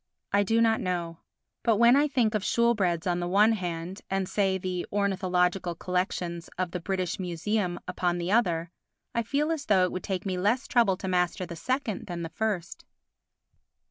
I do not know. But when I think of Shoolbred's on the one hand and, say, the ornithological collections of the British Museum upon the other, I feel as though it would take me less trouble to master the second than the first.